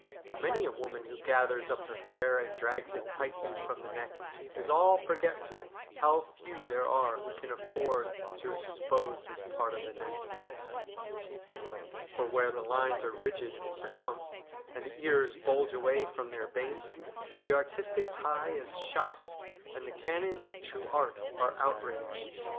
Many a woman who gathers up her hair and drags it tightly from the neck is all forgetful how few there are who can afford to expose this part of the neck. For where the lines are rigid and pronounced, and the ears bulge away from their base, the artistic eye is shocked and the canons of true art are outraged.